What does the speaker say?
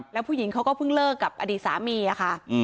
แล้วผู้หญิงเขาก็เพิ่งเลิกกับอดีตสามีค่ะ